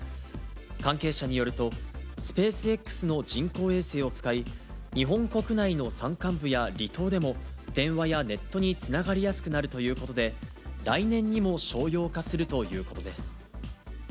関係者によると、スペースＸの人工衛星を使い、日本国内の山間部や離島でも、電話やネットにつながりやすくなるということで、来年にも商用化するということです。